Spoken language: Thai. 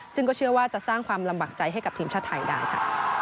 ซึ่งก็เชื่อว่าจะสร้างความลำบากใจให้กับทีมชาติไทยได้ค่ะ